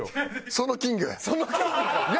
その金魚や。